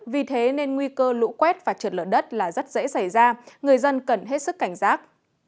vì thế nên nguy cơ lũ quét và trượt lở đất là rất dễ xảy ra người dân cần hết sức cảnh giác